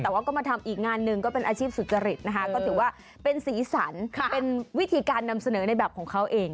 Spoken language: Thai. แต่ว่าก็มาทำอีกงานหนึ่งก็เป็นอาชีพสุจริตนะคะก็ถือว่าเป็นสีสันเป็นวิธีการนำเสนอในแบบของเขาเอง